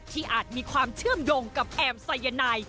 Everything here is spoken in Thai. อาจมีความเชื่อมโยงกับแอมไซยานาย